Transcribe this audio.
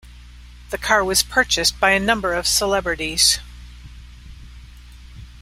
The car was purchased by a number of celebrities.